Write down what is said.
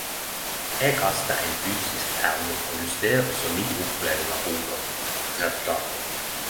Eg kastar ein fysisk terning og justerer så mi oppleving av boka til resultatet.